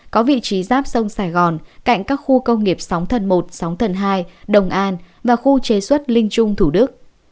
có vị trí giáp sông sài gòn cạnh các khu công nghiệp sóng thần một sóng thần hai đồng an và khu chế xuất linh trung thủ đức